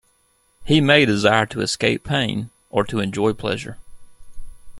He may desire to escape pain, or to enjoy pleasure.